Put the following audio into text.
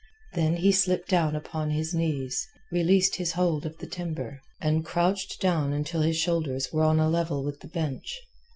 Then he slipped down upon his knees, released his hold of the timber, and crouched down until his shoulders were on a level with the bench.